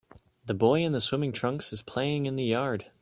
The boy in the swimming trunks is playing in the yard